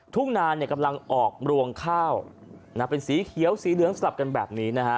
ทุ่งนานกำลังออกรวงข้าวเป็นสีเขียวสีเหลืองสลับกันแบบนี้นะฮะ